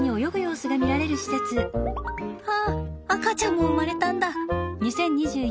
あっ赤ちゃんも生まれたんだ。